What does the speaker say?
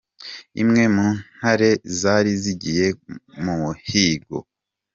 Imwe mu Ntare zari zigiye ku muhigo.